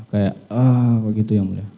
kayak ah begitu yang mulia